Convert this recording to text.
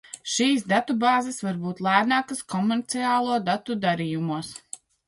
Šīs datubāzes var būt lēnākas komerciālo datu darījumos.